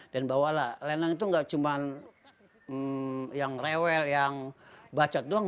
dan bahwa lenong itu tidak cuma yang rewel yang baca doang